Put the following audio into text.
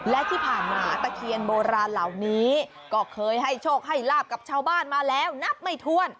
และที่ผ่านมาตะเคียนโบราณเหล่านี้ก็เคยให้โชคให้ลาบกับชาวบ้านมาแล้วนับไม่ถ้วน